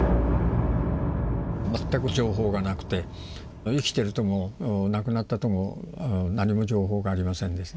全く情報がなくて生きてるとも亡くなったとも何も情報がありませんでした。